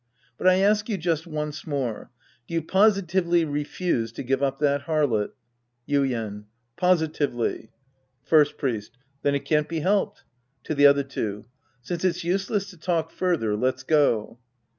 But I ask you just once more. Do you positively refuse to give up that harlot ? Yuien. Positively. First Priest. Then it can't be helped. {To the other two!) Since it'i useless to talk further, let's go.